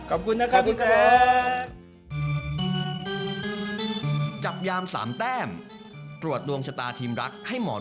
ขอบคุณนะครับทีมรัก